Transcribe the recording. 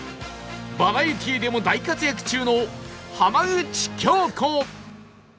バラエティーでも大活躍中の浜口京子